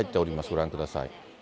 ご覧ください。